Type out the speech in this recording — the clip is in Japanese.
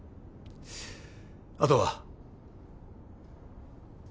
あとは？